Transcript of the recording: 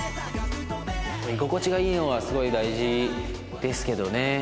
居心地がいいのがすごい大事ですけどね。